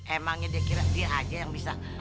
emangnya dia kira dia aja yang bisa panjak